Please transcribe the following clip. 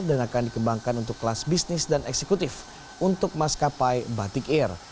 dan akan dikembangkan untuk kelas bisnis dan eksekutif untuk maskapai batik air